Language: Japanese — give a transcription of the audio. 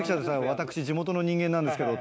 私地元の人間なんですけどって。